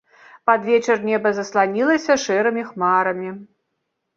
Пад вечар неба засланілася шэрымі хмарамі.